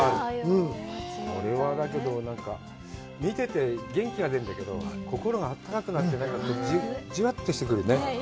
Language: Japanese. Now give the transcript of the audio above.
これは、だけど、見てて元気が出るんだけど、心があったかくなって、じわっとしてくるね。